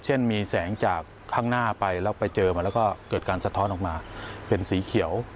เช่นมีแสงจากข้างหน้าไปแล้วไปเจอมาแล้วก็เกิดการสะท้อนออกมาเป็นสีเขียว